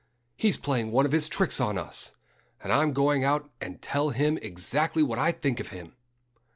"He's playing one of his tricks on us. And I'm going out and tell him exactly what I think of him."